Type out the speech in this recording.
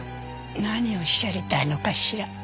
何をおっしゃりたいのかしら？